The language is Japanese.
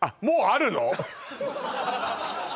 もうあるの？